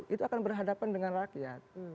itu akan berhadapan dengan rakyat